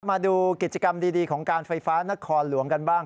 มาดูกิจกรรมดีของการไฟฟ้านครหลวงกันบ้าง